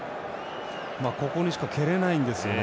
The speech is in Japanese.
ここにしか蹴れないんですよね。